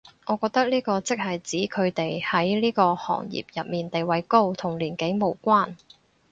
我覺得呢個即係指佢哋喺呢個行業入面地位高，同年紀無關